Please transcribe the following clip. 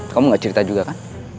kamu gak cerita juga kan